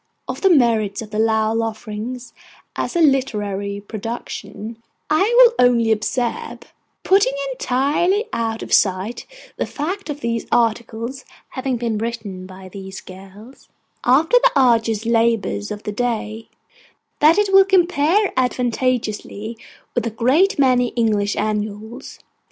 Of the merits of the Lowell Offering as a literary production, I will only observe, putting entirely out of sight the fact of the articles having been written by these girls after the arduous labours of the day, that it will compare advantageously with a great many English Annuals.